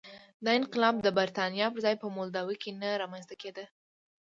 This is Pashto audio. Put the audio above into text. دا انقلاب د برېټانیا پر ځای په مولداوي کې نه رامنځته کېده.